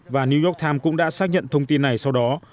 và new york times cũng đã xác nhận thông tin này sau đó